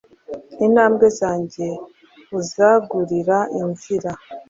Intambwe zanjye uzagurira inzira